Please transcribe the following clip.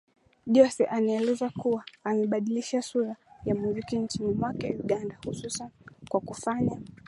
Jose anaelezwa kuwa amebadilisha sura ya muziki nchini mwake Uganda hususan kwa kufanya